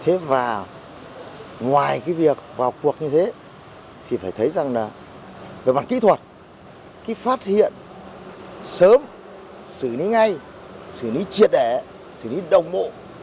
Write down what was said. thế và ngoài cái việc vào cuộc như thế thì phải thấy rằng là về mặt kỹ thuật cái phát hiện sớm xử lý ngay xử lý triệt đẻ xử lý đồng bộ